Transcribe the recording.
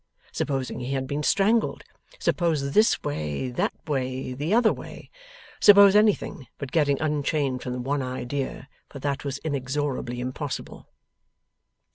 Supposing he had been strangled. Suppose this way, that way, the other way. Suppose anything but getting unchained from the one idea, for that was inexorably impossible.